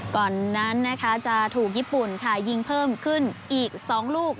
ก่อนนั้นนะคะจะถูกญี่ปุ่นค่ะยิงเพิ่มขึ้นอีก๒ลูก